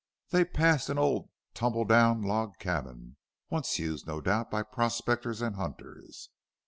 They passed an old tumbledown log cabin, once used, no doubt, by prospectors and hunters.